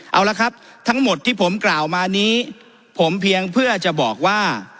เอาละครับทั้งหมดที่ผมกล่าวมานี้ผมเพียงเพื่อจะบอกว่า